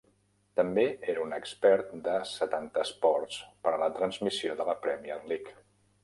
També era un expert de Setanta Sports per a la retransmissió de la Premier League.